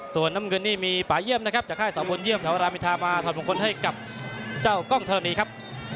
ส่วนน้ำเงินนี่มีป่าเยี่ยมนะครับจากค่ายสาวบนเยี่ยมแถวรามอินทามาถอดมงคลให้กับเจ้ากล้องธรณีครับ